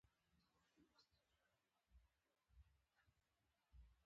آیا له ایران سره د اوبو ستونزه حل شوې؟